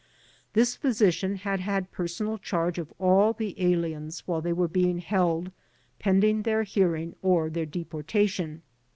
This physician had had personal charge of all the aliens while they were being held pending their hearing or their deportation.